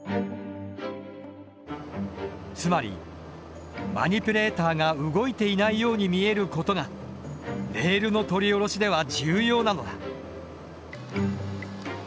つまりマニピュレーターが動いていないように見えることがレールの取り下ろしでは重要なのだ。